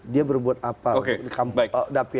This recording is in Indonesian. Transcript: dia berbuat apa